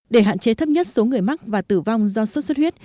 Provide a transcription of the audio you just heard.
để hạn chế thấp nhất số người mắc và tử vong do sốt xuất huyết